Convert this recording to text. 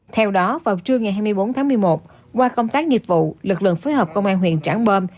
theo đó vào trưa ngày hai mươi bốn tháng một mươi một qua công tác nghiệp vụ lực lượng phối hợp công an huyện trảng bom